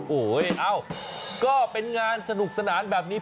แห้วก็เป็นงานสนุกสนานแบบนี้